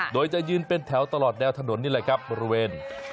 โดยจะยืนเป็นแถวตลอดแนวถนนนี่แหละครับบริเวณ